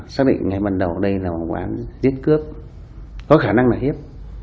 xác định ngày bắt đầu đây là một quán giết cướp có khả năng là hiếp